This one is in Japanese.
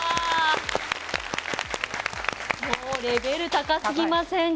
もうレベル高すぎませんか？